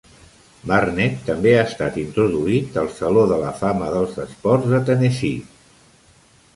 Barnett també ha estat introduït al Saló de la Fama dels Esports de Tennessee.